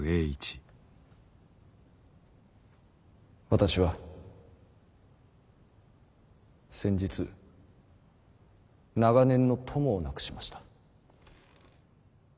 私は先日長年の友を亡くしました。